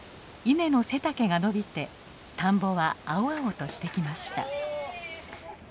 稲の背丈が伸びて田んぼは青々としてきました。